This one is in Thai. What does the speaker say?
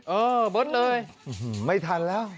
เออเบิร์ตเลยไม่ทันแล้ว